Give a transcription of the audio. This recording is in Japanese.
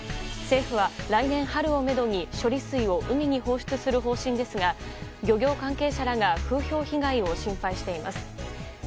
政府は、来年春をめどに処理水を海に放出する方針ですが漁業関係者らが風評被害を心配しています。